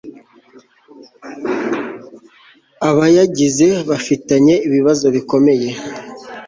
abayagize bafitanye ibibazo bikomeye